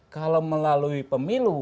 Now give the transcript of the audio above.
kalau melalui pemilu